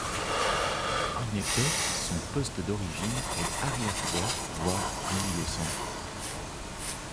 En effet, son poste d'origine est arrière droit voir milieu centre.